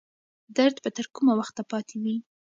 درد به تر کومه وخته پاتې وي؟